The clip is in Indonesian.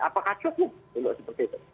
apakah cukup untuk seperti itu